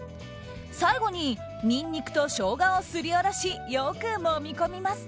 最後にニンニクとショウガをすりおろしよくもみ込みます。